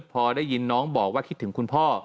พอได้ยินน้องบอกว่าคิดถึงคุณพ่อ